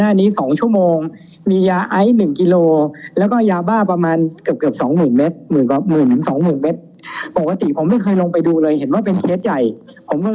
มันกินที่ฝ่ายเทคโนโลยีให้มาเทสทีแล้วไม่ใช่ได้ยินมั้ยเนี้ยโจ้ได้ยินมั้ย